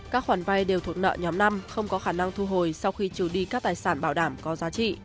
các khoản vay đều thuộc nợ nhóm năm không có khả năng thu hồi sau khi trừ đi các tài sản bảo đảm có giá trị